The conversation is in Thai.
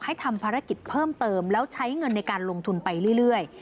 ทำภารกิจเพิ่มเติมแล้วใช้เงินในการลงทุนไปเรื่อย